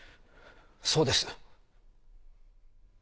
そうです。